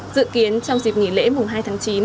dự kiến trong dịp nghỉ lễ mùng hai tháng chín